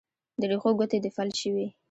د رېښو ګوتې دې فلج شوي